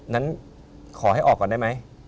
นั้นขอให้ออกก่อนได้ไหม